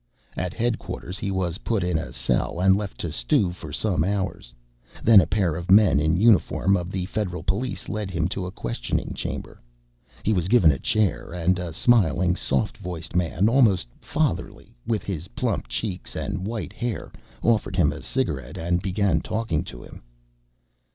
At headquarters, he was put in a cell and left to stew for some hours. Then a pair of men in the uniform of the federal police led him to a questioning chamber. He was given a chair and a smiling, soft voiced man almost fatherly, with his plump cheeks and white hair offered him a cigarette and began talking to him.